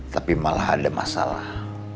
tapi malah ada masalah